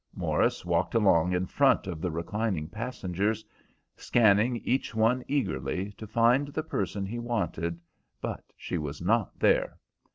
Morris walked along in front of the reclining passengers, scanning each one eagerly to find the person he wanted, but she was not there.